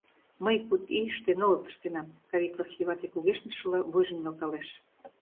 Мый куд ийыште нылыт ыштенам, — Кавик Васли вате, кугешнышыла, вуйжым нӧлталеш.